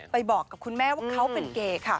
บอกกับคุณแม่ว่าเขาเป็นเกย์ค่ะ